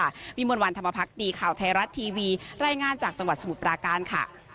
ขอบคุณคุณวิมนต์วันธรรมพักดีข่าวไทยรัตน์ทีวีรายงานจากจังหวัดสมุทรปราการค่ะ